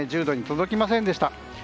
１０度に届きませんでした。